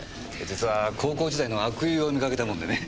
実は高校時代の悪友を見かけたものでね。